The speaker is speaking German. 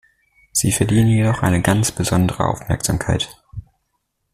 Sie verdienen jedoch eine ganz besondere Aufmerksamkeit.